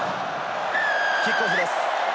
キックオフです。